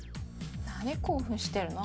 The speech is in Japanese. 何興奮してるの？